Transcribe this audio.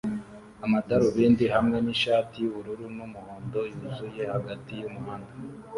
amadarubindi hamwe nishati yubururu n'umuhondo yuzuye hagati yumuhanda